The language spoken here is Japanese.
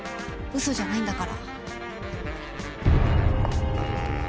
嘘じゃないんだから。